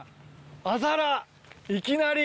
あざらいきなり！